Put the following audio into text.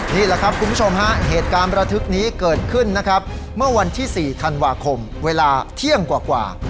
นี่แหละครับคุณผู้ชมฮะเหตุการณ์ประทึกนี้เกิดขึ้นนะครับเมื่อวันที่๔ธันวาคมเวลาเที่ยงกว่า